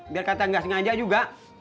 biar kata nggak sengaja juga